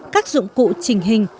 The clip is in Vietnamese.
các dụng cụ trình hình